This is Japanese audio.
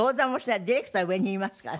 ディレクター上にいますから。